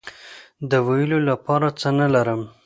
د ویلو لپاره څه نه لرم